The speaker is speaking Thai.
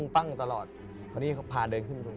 เพราะนี่เขาพาเดินขึ้น